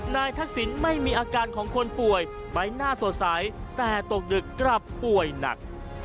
ทักษิณไม่มีอาการของคนป่วยใบหน้าสดใสแต่ตกดึกกลับป่วยหนัก